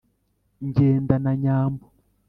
ngenda na nyambo